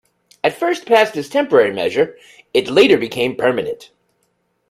At first passed as temporary measure, it later became permanent.